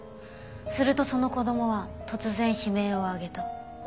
するとその子供は突然悲鳴を上げた。